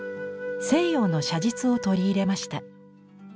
西洋の写実を取り入れました。